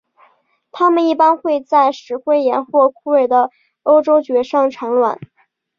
它们一般会在石灰岩或枯萎的欧洲蕨上产卵。